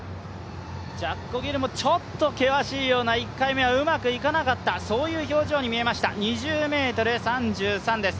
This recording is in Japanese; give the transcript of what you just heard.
ジャッコ・ギルもちょっと険しいような、１回目はうまくいかなかったそういう表情に見えました、２０ｍ３３です。